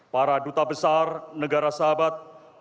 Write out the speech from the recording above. para duta besar negara sahabat